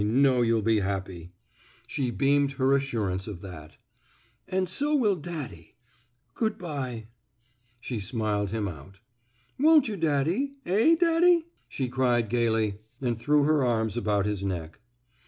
I know you'll be happy. '* She beamed her assurance of that. And so will daddy. ... Good by.'* She smiled him out. '' Won't you, daddy? Eh, daddy! '' she cried, gaily, and threw her arms about his neck.